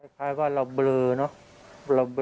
คล้ายว่าเราเบลอเนอะเราเบลอ